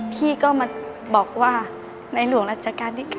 พี่ก็มาบอกว่านายหลวงรัชกาลดิกับสินวชนแล้ว